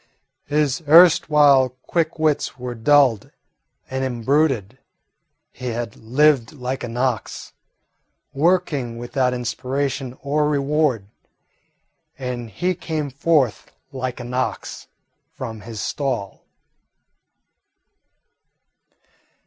His erstwhile quick wits were dulled and imbruted. He had lived like an ox, working without inspiration or reward, and he came forth like an ox from his stall.